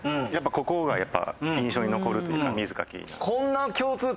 ここがやっぱ印象に残るというか水かき。